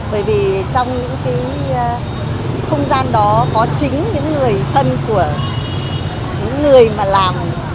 bởi vì trong những cái không gian đó có chính những người thân của những người mà làm